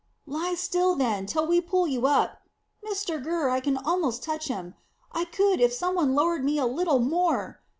"Lie still, then, till we pull you up. Mr Gurr, I can almost touch him. I could, if some one lowered me a little more."